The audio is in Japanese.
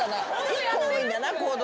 １個多いんだな行動。